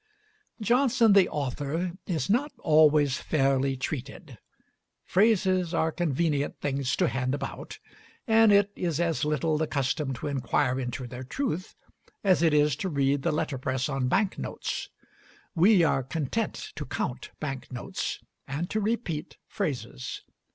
... Johnson the author is not always fairly treated. Phrases are convenient things to hand about, and it is as little the custom to inquire into their truth as it is to read the letterpress on bank notes. We are content to count bank notes and to repeat phrases.